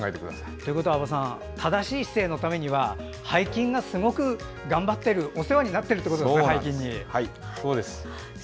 ということは、安保さん正しい姿勢のためには背筋がすごく頑張っている背筋にお世話になっているということですね。